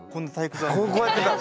こうやってたの？